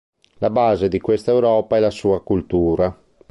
La base di questa Europa è la sua cultura.